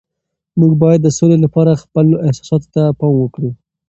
موږ باید د سولي لپاره خپلو احساساتو ته پام وکړو.